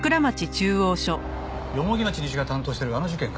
蓬町西が担当してるあの事件か。